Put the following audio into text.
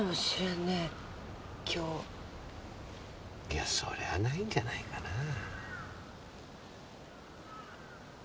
いやそれはないんじゃないかなぁ。